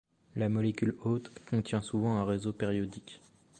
La molécule hôte contient souvent un réseau périodique.